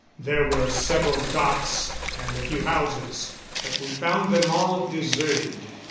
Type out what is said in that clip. There were several docks and a few houses, but we found them all deserted.